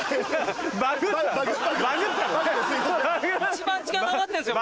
一番時間かかってんすよ